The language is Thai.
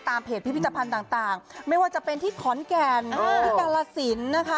เพจพิพิธภัณฑ์ต่างไม่ว่าจะเป็นที่ขอนแก่นที่กาลสินนะคะ